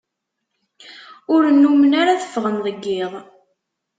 Ur nnumen ara tteffɣen deg iḍ.